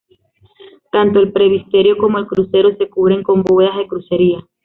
Tanto el presbiterio como el crucero se cubren con bóvedas de crucería.